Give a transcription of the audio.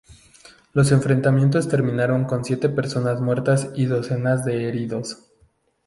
Los enfrentamientos terminaron con siete personas muertas y docenas de heridos.